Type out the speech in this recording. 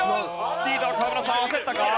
リーダー河村さん焦ったか？